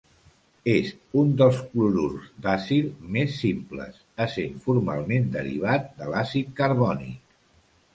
És un dels clorurs d'acil més simples, essent formalment derivat de l'àcid carbònic.